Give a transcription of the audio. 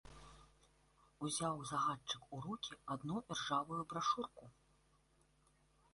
Узяў загадчык у рукі адну іржавую брашурку.